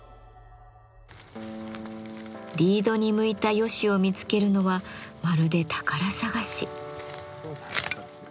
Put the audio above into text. リードに向いたヨシを見つけるのはまるで宝探し。